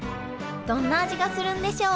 どんな味がするんでしょう？